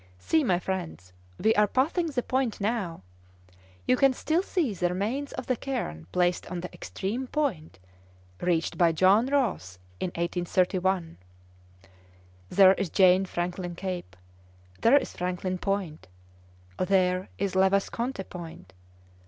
See, my friends, we are passing the point now! You can still see the remains of the cairn placed on the extreme point, reached by John Ross in 1831. There is Jane Franklin Cape. There is Franklin Point. There is Le Vesconte Point.